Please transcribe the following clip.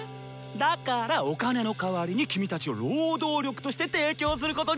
だからお金の代わりにキミたちを労働力として提供することにしたヨ！